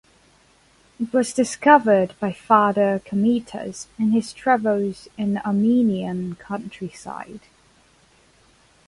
It was discovered by Father Komitas in his travels in Armenian countryside.